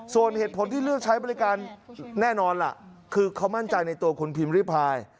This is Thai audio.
ส่วนเหตุผลที่เลือกใช้บริการแน่นอนล่ะคือเขามั่นใจในตัวคุณพิมพ์ริพาย